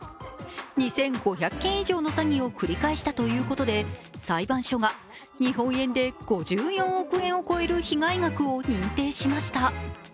２５００件以上の詐欺を繰り返したということで裁判所が日本円で５４億円を超える被害額を認定しました。